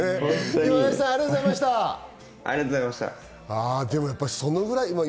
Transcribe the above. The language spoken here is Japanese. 今林さん、ありがとうございました。